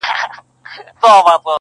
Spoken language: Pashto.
گنې په تورو توتکيو دې ماتم ساز کړي~